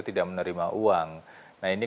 tidak menerima uang nah ini